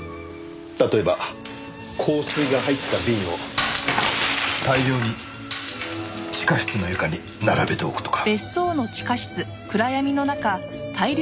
例えば香水が入った瓶を大量に地下室の床に並べておくとか。